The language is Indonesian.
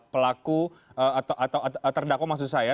pelaku atau terdakwa maksud saya